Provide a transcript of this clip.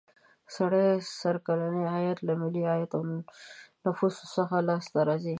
سړي سر کلنی عاید له ملي عاید او نفوسو څخه لاس ته راځي.